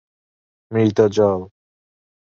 মৃত জল।